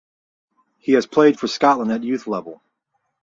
He has played for Scotland at youth level.